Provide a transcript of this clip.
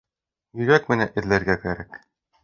Йөрәк менән эҙләргә кәрәк.